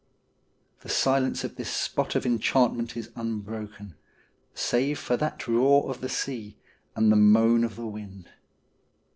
The silence of this spot of enchantment is unbroken, save for that roar of the sea and the moan of the wind.